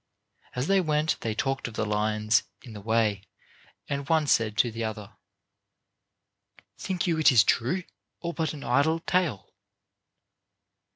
As they went they talked of the lions in the way and the one said to the other: "Think you it is true, or but an idle tale?"